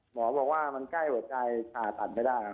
หมอบอกว่ามันใกล้หัวใจผ่าตัดไม่ได้ครับ